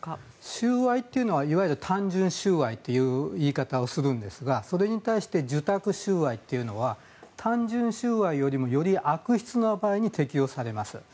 収賄というのはいわゆる単純収賄という言い方をするんですがそれに対して受託収賄というのは単純収賄よりもより悪質な場合に適用されます。